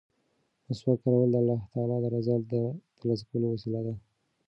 مسواک کارول د الله تعالی د رضا د ترلاسه کولو وسیله ده.